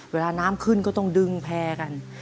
เวลาน้ำขึ้นก็ต้องดึงแพร่กัน